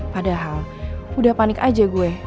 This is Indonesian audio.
padahal udah panik aja gue